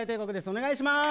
お願いします。